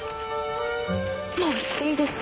もう行っていいですか？